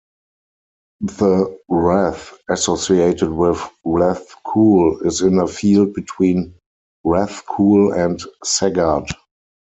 The rath associated with Rathcoole is in a field between Rathcoole and Saggart.